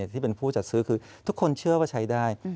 ที่เป็นผู้จัดซื้อคือทุกคนเชื่อว่าใช้ได้